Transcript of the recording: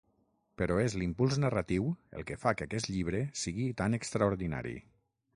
Però és l'impuls narratiu el que fa que aquest llibre sigui tan extraordinari.